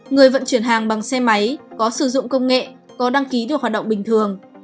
người vận chuyển hàng bằng xe máy có sử dụng công nghệ có đăng ký được hoạt động bình thường